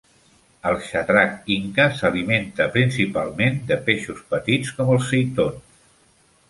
El xatrac inca s'alimenta principalment de peixos petits, com els seitons.